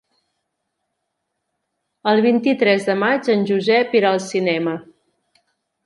El vint-i-tres de maig en Josep irà al cinema.